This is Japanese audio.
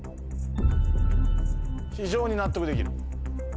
非常に納得できる。